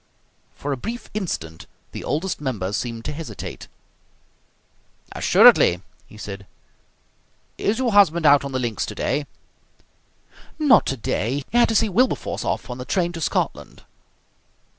For a brief instant the Oldest Member seemed to hesitate. "Assuredly!" he said. "Is your husband out on the links today?" "Not today. He had to see Wilberforce off on the train to Scotland."